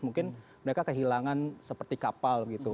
mungkin mereka kehilangan seperti kapal gitu